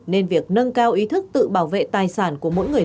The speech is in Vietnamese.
nên việc nâng cao ý thức tự bảo vệ tài sản của mỗi người